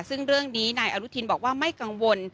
ซึ่งเรื่องนี้นายอนุทินบอกว่าไม่กังวล